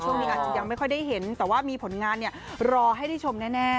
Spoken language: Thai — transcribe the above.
ช่วงนี้อาจจะยังไม่ค่อยได้เห็นแต่ว่ามีผลงานเนี่ยรอให้ได้ชมแน่